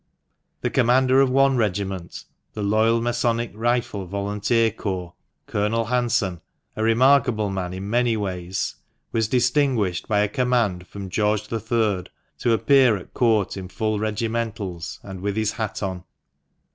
The commander of one regiment — the Loyal Masonic Rifle Volunteer Corps — Colonel Hanson — a remarkable man in many ways — was distinguished by a command from George III. to appear at Court in full regimentals, and with his hat on.